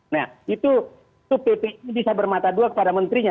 nah itu itu pp ini bisa bermata dua kepada menterinya